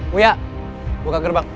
wuyah buka gerbang